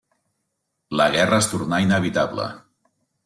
La guerra es tornà inevitable.